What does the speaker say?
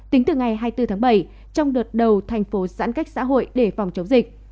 tính từ ngày hai mươi bốn tháng bảy trong đợt đầu thành phố giãn cách xã hội để phòng chống dịch